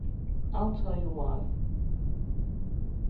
I'll tell you why.